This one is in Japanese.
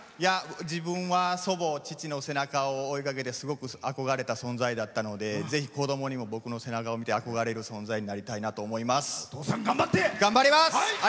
自分は祖母、父の背中を追いかけて、すごく憧れた存在だったのでぜひ、子供にも僕の背中を見て憧れる存在になりたいなと思います。